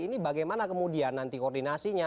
ini bagaimana kemudian nanti koordinasinya